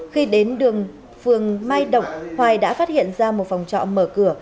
khi đến đường phường mai động hoài đã phát hiện ra một phòng trọ mở cửa